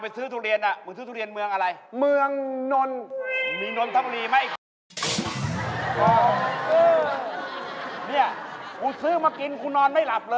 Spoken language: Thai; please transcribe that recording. อ๋อซื้อทุเรียนมากินแล้วนอนไม่หลับ